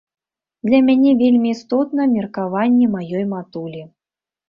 Для мяне вельмі істотна меркаванне маёй матулі.